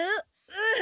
うん！